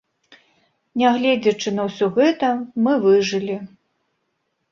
Нягледзячы на ўсё гэта, мы выжылі.